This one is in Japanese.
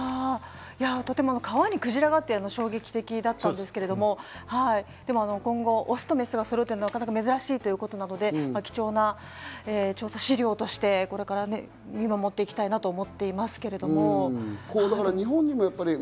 川にクジラがというのも衝撃的だったんですが、今後、オスとメスがそろってるのは珍しいということなので、貴重な資料として、これから見守っていきたいなと思っていますけど。